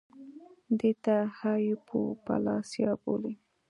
دې ته هایپوپلاسیا بولي